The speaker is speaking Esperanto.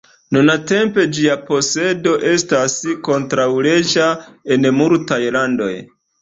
Nuntempe ĝia posedo estas kontraŭleĝa en multaj landoj.